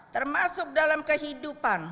termasuk dalam kehidupan